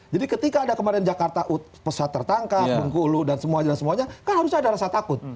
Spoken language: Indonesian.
jadi ketika ada kemarin jakarta pesawat tertangkap bungku ulu dan semuanya semuanya kan harusnya ada rasa takut